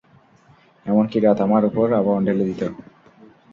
এমনকি রাত আমার উপর আবরণ ঢেলে দিত।